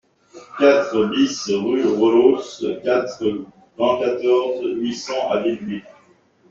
quatre BIS rue Reulos, quatre-vingt-quatorze, huit cents à Villejuif